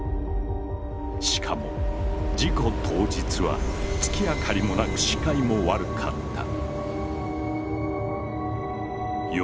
しかも事故当日は月明かりもなく視界も悪かった。